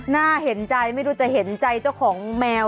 น่าเห็นใจไม่รู้จะเห็นใจเจ้าของแมว